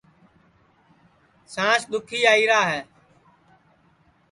سانٚس دُؔکھی آئیرا ہے